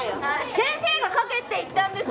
先生が書けって言ったんです